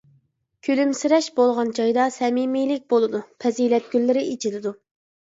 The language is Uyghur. كۈلۈمسىرەش بولغان جايدا سەمىمىيلىك بولىدۇ، پەزىلەت گۈللىرى ئېچىلىدۇ.